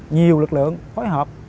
nhiều lực lượng phối hợp